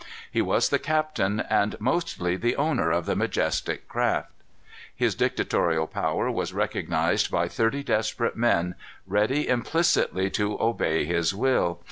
He was the captain and mostly the owner of the majestic craft. His dictatorial power was recognized by thirty desperate men, ready implicitly to obey his will.